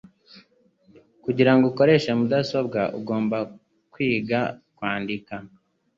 Kugirango ukoreshe mudasobwa, ugomba kwiga kwandika.